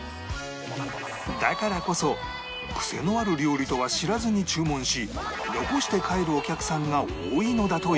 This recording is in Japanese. だからこそ癖のある料理とは知らずに注文し残して帰るお客さんが多いのだという